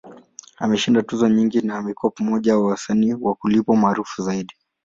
Ameshinda tuzo nyingi, na amekuwa mmoja wa wasanii wa kulipwa maarufu zaidi.